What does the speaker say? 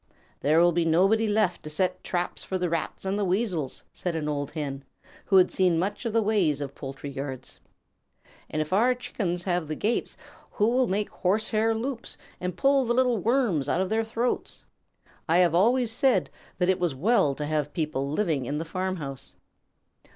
"There will be nobody left to set traps for the Rats and the Weasels," said an old Hen, who had seen much of the ways of poultry yards. "And if our Chickens have the gapes, who will make horse hair loops and pull the little Worms out of their throats? I have always said that it was well to have people living in the farmhouse."